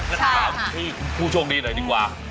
นั่นความที่คุณผู้โชคดีหน่อยดีกว่า